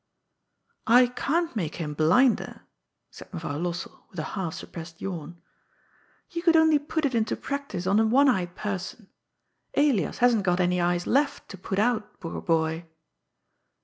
" I can't make him blinder," said Mevrouw Lossell, with a half suppressed yawn. " You could only put it into prac 68 GOD'S FOOL. tice on a one eyed person. Elias hasn't got any eyes left to put out, poor boy